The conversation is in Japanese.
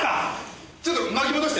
ちょっと巻き戻して。